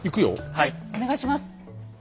はいお願いします。